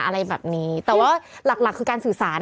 อะไรแบบนี้แต่ว่าหลักหลักคือการสื่อสาร